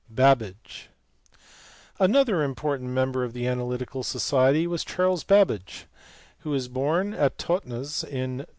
Babbage. Another important member of the Analytical Society was Charles Babbage, who was born at Totnes on Dec.